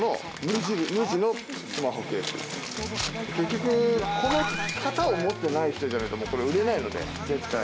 結局この型を持ってない人じゃないとこれは売れないので絶対。